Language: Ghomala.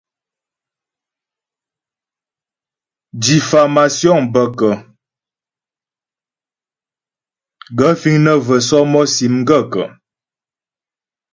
Diffámásyoŋ bə kə́ ? Gaə̂ fíŋ nə́ və̂ sɔ́mɔ́sì m gaə̂kə́ ?